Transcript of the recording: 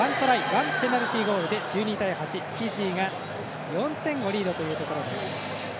１ペナルティゴールで１２対８、フィジーが４点をリードというところです。